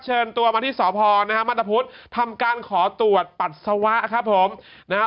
เชิญตัวมาที่สพนะฮะมัตรพุธทำการขอตรวจปัสสาวะครับผมนะฮะ